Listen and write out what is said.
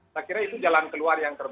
saya kira itu jalan keluar yang terbaik